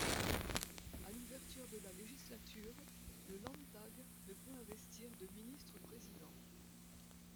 À l'ouverture de la législature, le Landtag ne peut investir de ministre-président.